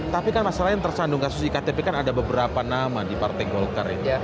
tapi kan masalah yang tersandung kasus iktp kan ada beberapa nama di partai golkar ini